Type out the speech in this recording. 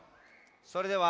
それでは。